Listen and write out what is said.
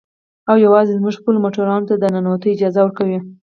او يوازې زموږ خپلو موټرانو ته د ننوتو اجازه ورکوي.